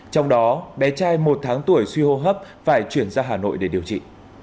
trong đó bé trai một tháng tuổi suy hô hấp phải chuyển ra hà nội để điều trị